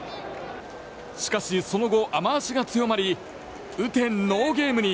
しかし、その後雨脚が強まり雨天ノーゲームに。